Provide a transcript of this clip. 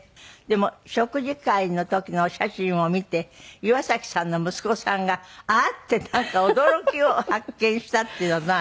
でも食事会の時のお写真を見て岩崎さんの息子さんが「あっ！」ってなんか驚きを発見したっていうの何？